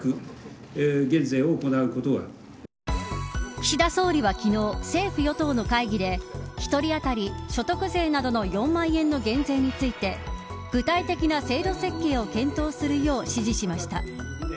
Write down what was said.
岸田総理は昨日政府・与党の会議で１人当たり所得税などの４万円の減税について具体的な制度設計を検討するよう指示しました。